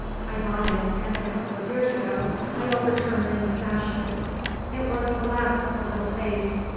I bought it and a couple of years ago I overturned and smashed it. It was the last of the little phase.